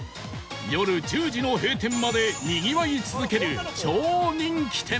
夜１０時の閉店までにぎわい続ける超人気店